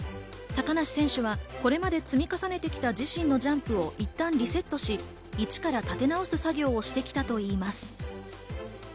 高梨選手はこれまで積み重ねてきた自身のジャンプを一旦リセットし、イチから立て直す作業をしてきたといいます。